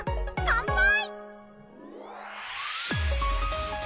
乾杯！